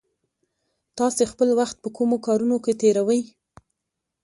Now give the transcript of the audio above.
تاسې خپل وخت په کومو کارونو کې تېروئ؟